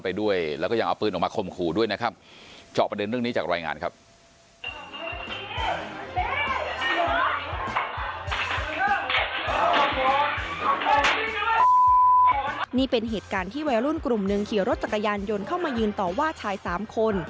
ที่วัยรุ่นกลุ่มหนึ่งขี่รถจักรยานยนต์เข้ามายืนต่อว่าชาย๓คน